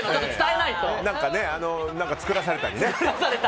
作らされたりね。